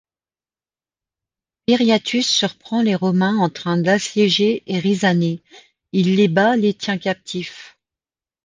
Viriatus surprend les Romains en train d'assiéger Erisané, il les bat les tient captifs.